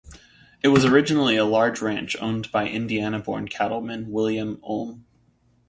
It was originally a large ranch owned by Indiana-born cattleman William Ulm.